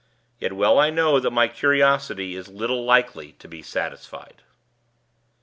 Yet, well I know that my curiosity is little likely to be satisfied.